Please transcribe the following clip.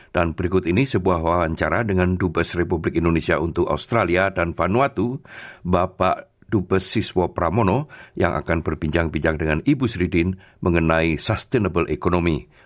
bapak dubes siswa pramono